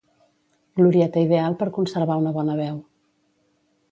Glorieta ideal per conservar una bona veu.